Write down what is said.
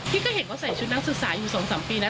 พี่ก็เห็นเขาใส่ชุดนักศึกษาอยู่สองสามปีนะ